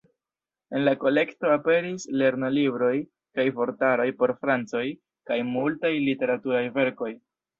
En la kolekto aperis lernolibroj kaj vortaroj por francoj kaj multaj literaturaj verkoj.